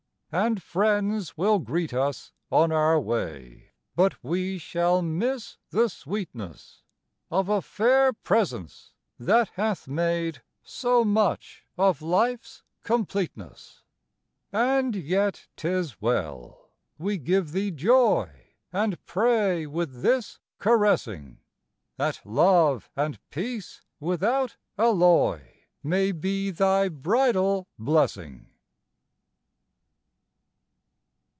And friends will greet us on our way, But we shall miss the sweetness Of a fair presence that hath made So much of life's completeness. And yet 'tis well; we give thee joy, And pray with this caressing; That love and peace without alloy May be thy bridal blessing.